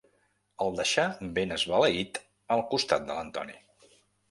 El deixà ben esbalaït al costat de l'Antoni.